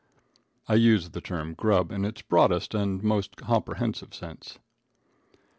I use the term grub in its broadest and most comprehensive sense.